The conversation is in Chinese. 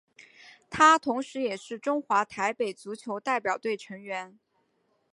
他同时也是中华台北足球代表队成员。